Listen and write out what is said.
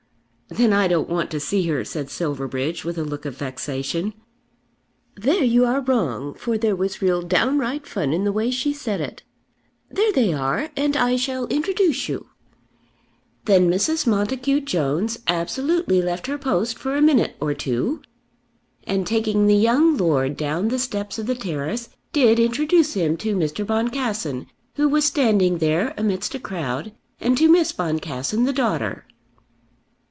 "Then I don't want to see her," said Silverbridge, with a look of vexation. "There you are wrong, for there was real downright fun in the way she said it. There they are, and I shall introduce you." Then Mrs. Montacute Jones absolutely left her post for a minute or two, and taking the young lord down the steps of the terrace did introduce him to Mr. Boncassen, who was standing there amidst a crowd, and to Miss Boncassen the daughter.